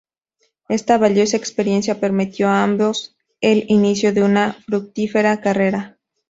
Esta valiosa experiencia permitió a ambos el inicio de una fructífera carrera.